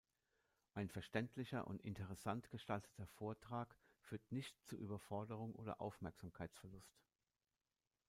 Ein verständlicher und interessant gestalteter Vortrag führt nicht zu Überforderung oder Aufmerksamkeitsverlust.